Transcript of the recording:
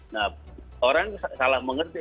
nah orang salah mengerti